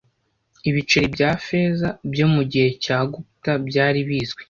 Ibiceri bya feza byo mugihe cya Gupta byari bizwi